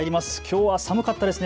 きょうは寒かったですね。